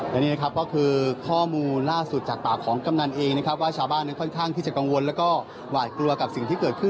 และนี่นะครับก็คือข้อมูลล่าสุดจากปากของกำนันเองนะครับว่าชาวบ้านนั้นค่อนข้างที่จะกังวลแล้วก็หวาดกลัวกับสิ่งที่เกิดขึ้น